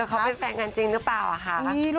แล้วเขาเป็นแฟนกันจริงรึเปล่าคะ